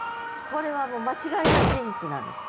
これは間違いない事実なんです。